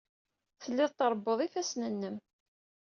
Telliḍ trebbuḍ ifassen-nnem.